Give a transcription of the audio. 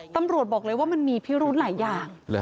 ตำรวจบอกเลยว่ามันมีพิรุธหลายอย่าง